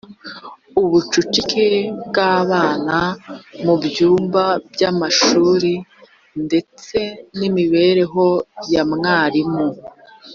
ubucucike bw abana mu byumba by amashuri ndetse n imibereho ya mwarimu